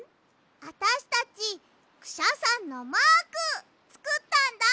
あたしたちクシャさんのマークつくったんだ。